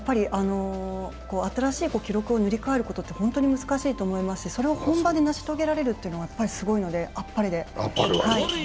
新しい記録を塗り替えるって本当に難しいことですしそれを本場で成し遂げられるというのはすごいのであっぱれで。